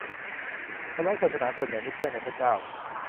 คนไร้ศาสนาส่วนใหญ่ไม่เชื่อในพระเจ้า